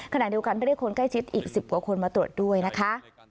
ขณะเดียวกันเรียกคนใกล้ชิดอีก๑๐กว่าคนมาตรวจด้วยนะคะ